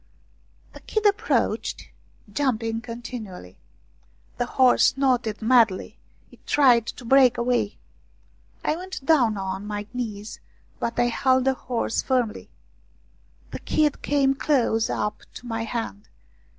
The kid approached, jumping continually. The horse snorted madly, it tried to break away. I went down on my knees, but I held the horse firmly. The kid came close up to my hand.